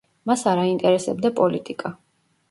მას არ აინტერესებდა პოლიტიკა.